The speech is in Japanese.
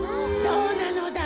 どうなのだ？